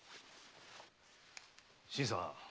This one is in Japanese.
新さん